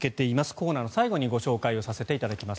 コーナーの最後にご紹介させていただきます。